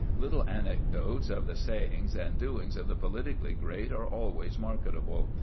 Little anecdotes of the sayings and doings of the politically great are always marketable.